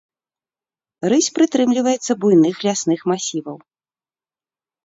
Рысь прытрымліваецца буйных лясных масіваў.